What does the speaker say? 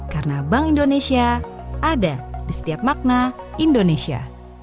karena bank indonesia ada di setiap makna indonesia